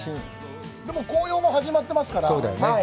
でも、紅葉も始まってますから。